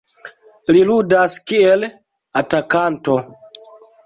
Li ludas kiel atakanto.